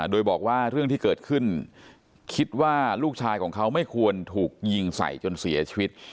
โดยบอกว่าเรื่องที่เกิดขึ้นคิดว่าลูกชายของเขาไม่ควรถูกยิงใส่จนเสียชีวิต